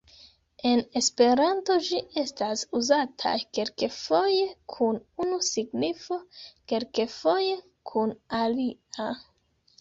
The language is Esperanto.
En Esperanto ĝi estas uzataj kelkfoje kun unu signifo, kelkfoje kun alia.